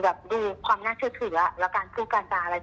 ดูความน่าเชื่อแล้วการสู้กันตาอะไร